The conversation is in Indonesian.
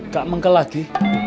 gak mengkel lagi